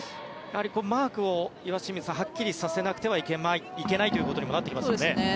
マークをはっきりさせなくてはいけないということにもなってきますよね。